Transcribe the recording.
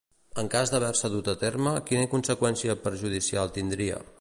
En cas d'haver-se dut a terme, quina conseqüència perjudicial tindria?